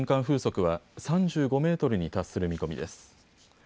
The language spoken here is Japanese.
風速は３５メートルに達する見込みです。